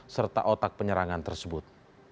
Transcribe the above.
serta otak penyerangan tersebut